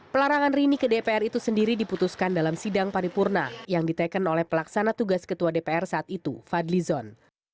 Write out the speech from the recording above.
pelarangan rini ke dpr itu sendiri diputuskan dalam sidang paripurna yang diteken oleh pelaksana tugas ketua dpr saat itu fadli zon